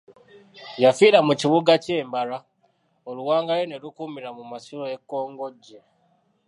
Yafiira mu Kibuga kye Mbalwa, oluwanga lwe ne lukuumirwa mu masiro e Kongojje.